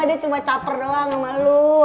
itu cuma caper doang sama lu